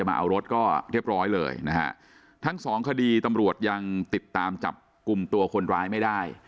มาเอารถก็เรียบร้อยเลยนะฮะทั้งสองคดีตำรวจยังติดตามจับกลุ่มตัวคนร้ายไม่ได้